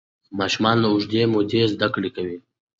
ماشومان له اوږدې مودې زده کړه کوي.